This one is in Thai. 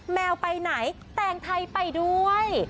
แมวไปไหนแต่งไทยไปด้วย